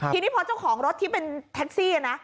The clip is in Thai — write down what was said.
ทีนี้พอเจ้าของรถที่เป็นแท็กซี่นะ